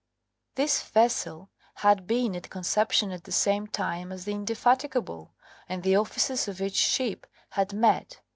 This vessel had been at Conception at the same time as the Indefatigable, and the officers of each ship had met.